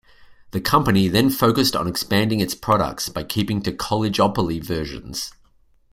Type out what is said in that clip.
The company then focused on expanding its products by keeping to college-opoly versions.